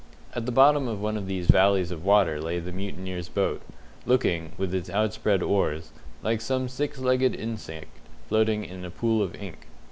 At the bottom of one of these valleys of water lay the mutineers' boat, looking, with its outspread oars, like some six legged insect floating in a pool of ink.